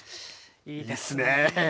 いいですね。